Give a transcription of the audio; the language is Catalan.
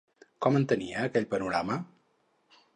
Com entenia aquell panorama?